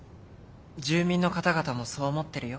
住民の方々もそう思ってるよ。